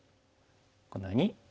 このように。